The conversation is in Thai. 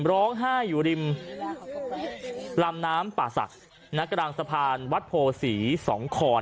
ร้องไห้อยู่ริมลำน้ำป่าศักดิ์ณกลางสะพานวัดโพศีสองคอน